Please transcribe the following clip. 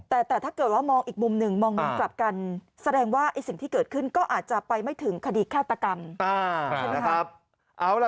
แต่ถ้าเกิดว่ามองอีกมุมนึงมองกลับกันแสดงว่าสิ่งที่เกิดขึ้นก็อาจจะไปไม่ถึงคดีฆาตกรรม